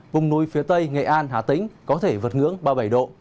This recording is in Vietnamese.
vùng núi phía tây nghệ an hà tĩnh có thể vượt ngưỡng ba mươi bảy độ